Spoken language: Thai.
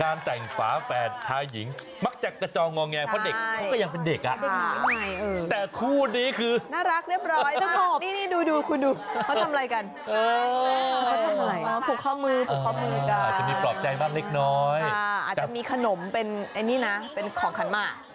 อาจจะมีขนมเป็นของขันมา